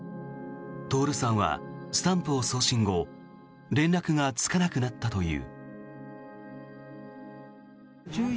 徹さんはスタンプを送信後連絡がつかなくなったという。